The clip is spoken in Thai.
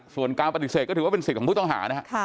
ส่วนการปฏิเสธก็ถือว่าเป็นสิทธิ์ของผู้ต้องหานะครับ